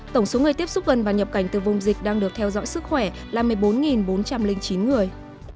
tổng số người tiếp xúc gần và nhập cảnh từ vùng dịch đang được theo dõi sức khỏe là một mươi bốn bốn trăm linh chín người